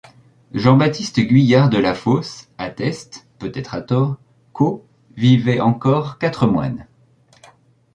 Jean-Baptiste Guyard de La Fosse atteste, peut-être à tort, qu'au vivaient encore quatre moines.